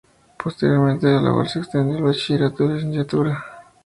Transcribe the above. Posteriormente la labor se extendió a bachillerato y licenciatura.